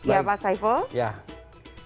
ya pak saiful